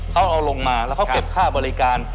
เขาเอาลงมาแล้วเขาเก็บค่าบริการ